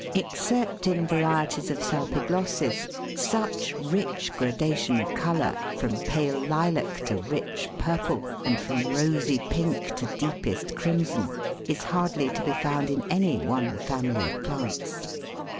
Except in varieties of Salpiglossis, such rich gradation of colour, from pale lilac to rich purple, and from rosy pink to deepest crimson, is hardly to be found in any one family of plants.